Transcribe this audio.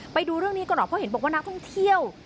ไปดูเรื่องนี้กันหน่อยเพราะเห็นบอกว่านักท่องเที่ยว